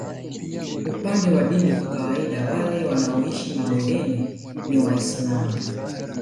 Upande wa dini kwa kawaida wale wanaoishi mabondeni ni Waislamu